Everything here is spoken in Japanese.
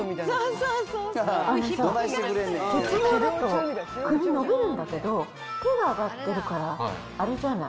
鉄棒だと首伸びるんだけど、手が上がってるから、あれじゃない？